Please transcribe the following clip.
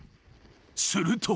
［すると］